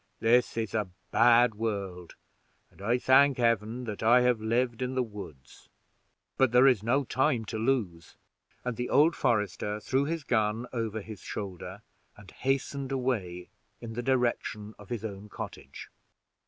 This is a bad world, and I thank Heaven that I have lived in the woods. But there is no time to lose;" and the old forester threw his gun over his shoulder, and hastened away in the direction of his own cottage.